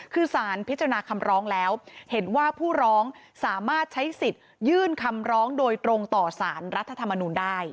คือสารพิจารณาคำร้องแล้วเห็นว่าผู้ร้องสามารถใช้สิทธิ์ยื่นคำร้องโดยตรงต่อสารรัฐธรรมนูลได้